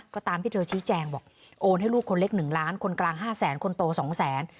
ก็ตามที่เธอชี้แจงบอกโอนให้ลูกคนเล็ก๑ล้านคนกลาง๕แสนคนโต๒แสน